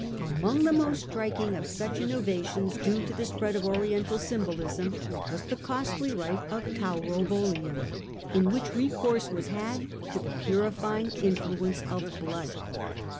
Among the most striking of such innovations due to the spread of Oriental symbolism was the costly rite of taurobolium^ in which recourse was had to the The striking purifying influence of blood.